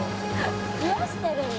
冷やしてるんだ。